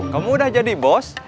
kamu udah jadi bos